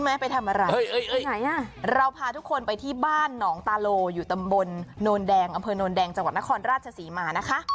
มืดนิดนึงแต่ว่ามีไฟ